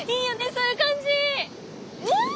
そういう感じ！